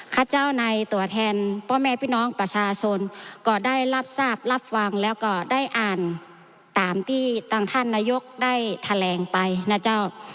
ข้าเจ้าในตัวแทนพ่อแม่พี่น้องประชาชนก็ได้รับทราบรับฟังแล้วก็ได้อ่านตามที่ต่างท่านนายกได้แถลงไปนะเจ้า